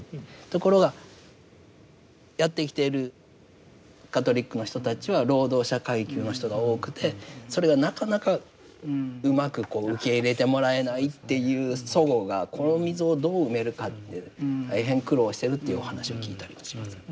ところがやって来ているカトリックの人たちは労働者階級の人が多くてそれがなかなかうまくこう受け入れてもらえないっていう齟齬がこの溝をどう埋めるかって大変苦労しているというお話を聞いたりもします。